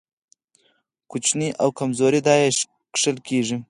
کوچني او کمزوري دا يې کښل کېږي.